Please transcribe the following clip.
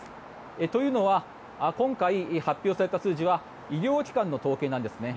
というのは今回発表された数字は医療機関の統計なんですね。